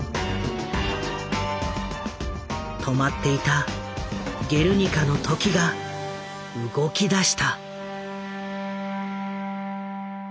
止まっていた「ゲルニカ」の時が動きだした。